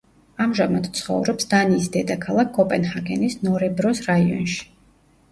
ამჟამად ცხოვრობს დანიის დედაქალაქ კოპენჰაგენის ნორებროს რაიონში.